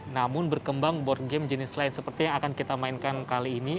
namun berkembang board game jenis lain seperti yang akan kita mainkan kali ini